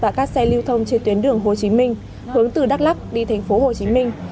và các xe lưu thông trên tuyến đường hồ chí minh hướng từ đắk lắc đi thành phố hồ chí minh